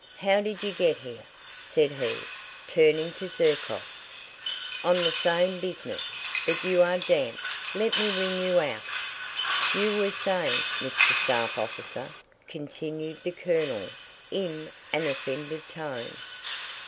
"How did you get here?" said he, turning to Zherkóv. "On the same business. But you are damp! Let me wring you out!" "You were saying, Mr. Staff Officer..." continued the colonel in an offended tone.